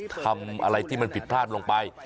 ทำอะไรที่มันผิดพลาดลงไป